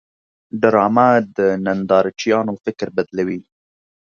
ډرامه د نندارچیانو فکر بدلوي